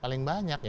paling banyak ya